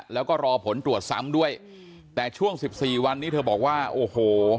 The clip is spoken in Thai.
แล้วก็รอผลตรวจซ้ำด้วยแต่ช่วงสิบสี่วันนี้เธอบอกว่าโอ้โห